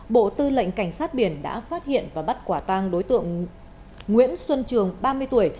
bộ tư lệnh cảnh sát biển đã phát hiện và bắt quả tang đối tượng nguyễn xuân trường ba mươi tuổi